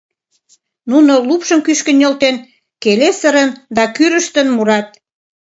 Нуно, лупшым кӱшкӧ нӧлтен, келесырын да кӱрыштын мурат: